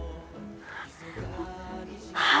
はい。